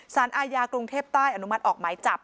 สารอาญากรุงเทพใต้อนุมัติออกหมายจับ